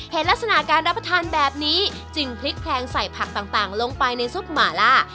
เห็นลักษณะการรับประทานแบบนี้จึงพลิกแพลงใส่ผักต่างลงไปในซุปหมาล่า